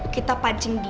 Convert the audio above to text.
kita pancing dia